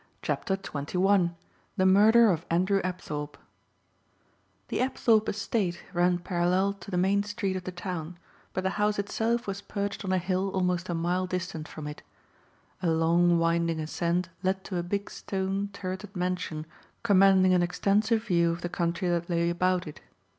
CHAPTER XXI THE MURDER OF ANDREW APTHORPE THE Apthorpe estate ran parallel to the main street of the town but the house itself was perched on a hill almost a mile distant from it. A long winding ascent led to a big stone, turreted mansion commanding an extensive view of the country that lay about it.